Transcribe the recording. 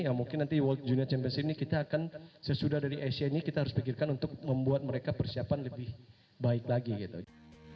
ya mungkin nanti world junior championship ini kita akan sesudah dari asia ini kita harus pikirkan untuk membuat mereka persiapan lebih baik lagi gitu